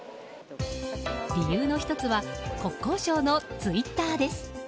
理由の１つは国交省のツイッターです。